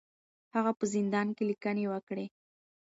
هغه په زندان کې لیکنې وکړې.